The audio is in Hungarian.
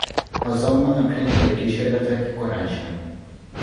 Azonban a klinikai kísérletek korántsem.